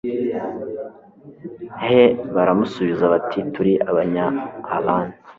he Baramusubiza bati Turi Abanyaharani